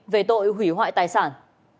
về tội hủy hoại tài sản